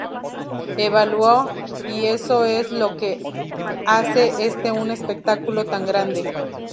Evaluó "Y eso es lo que hace este un espectáculo tan grande.